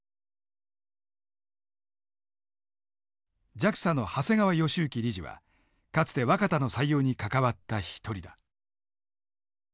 ＪＡＸＡの長谷川義幸理事はかつて若田の採用に関わった一人だ。